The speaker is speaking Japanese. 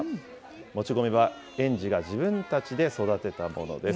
もち米は園児が自分たちで育てたものです。